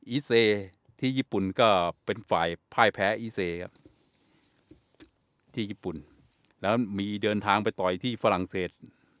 อีเซที่ญี่ปุ่นก็เป็นฝ่ายพ่ายแพ้อีเซครับที่ญี่ปุ่นแล้วมีเดินทางไปต่อยที่ฝรั่งเศส